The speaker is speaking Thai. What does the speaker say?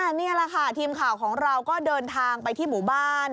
นี่แหละค่ะทีมข่าวของเราก็เดินทางไปที่หมู่บ้าน